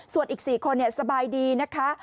ส่วนอีก๔คนสบายดีนะคะ